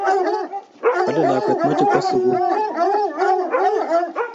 Kale lakwet mache kwo sukul